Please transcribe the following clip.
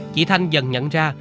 chị thanh dần nhận ra